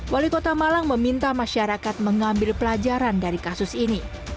wali kota malang meminta masyarakat mengambil pelajaran dari kasus ini